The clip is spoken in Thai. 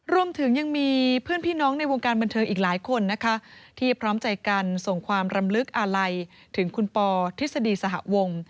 รวมถึงยังมีเพื่อนพี่น้องในวงการบันเทิงอีกหลายคนนะคะที่พร้อมใจกันส่งความรำลึกอาลัยถึงคุณปอทฤษฎีสหวง